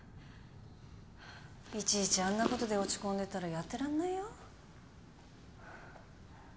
いちいちあんなことで落ち込んでたらやってらんないよ。